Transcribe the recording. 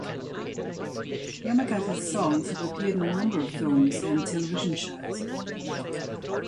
Yamagata's songs have appeared in a number of films and television shows.